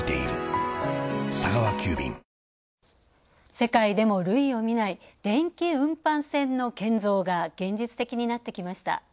世界でも類をみない電気運搬船の建造が現実的になってきました。